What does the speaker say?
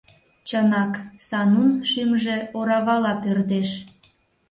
Чынак, Санун шӱмжӧ оравала пӧрдеш.